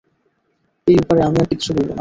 এই ব্যাপারে আমি আর কিচ্ছু বলব না।